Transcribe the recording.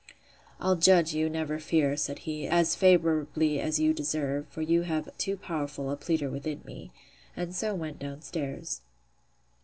I'll judge you, never fear, said he, as favourably as you deserve; for you have too powerful a pleader within me. And so went down stairs.